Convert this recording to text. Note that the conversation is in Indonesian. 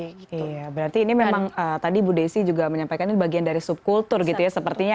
iya berarti ini memang tadi bu desi juga menyampaikan ini bagian dari subkultur gitu ya sepertinya